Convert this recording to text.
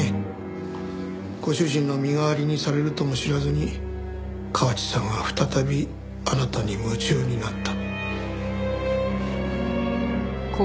ご主人の身代わりにされるとも知らずに河内さんは再びあなたに夢中になった。